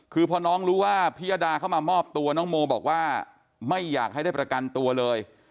คือพอน้องรู้ว่าพิยดาเข้ามามอบตัวน้องโมบอกว่าไม่อยากให้ได้ประกันตัวเลย